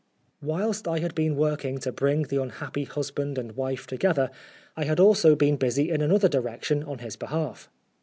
Whilst I had been working to bring the unhappy husband and wife together, I had also been busy in another direction on his behalf.